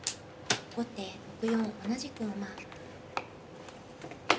後手６四同じく馬。